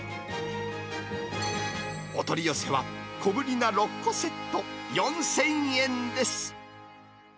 お取り寄せは、小ぶりな６個セット４０００円です。